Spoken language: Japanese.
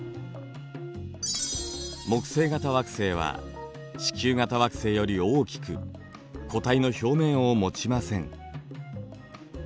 木星型惑星は地球型惑星より大きく固体の表面を持ちません。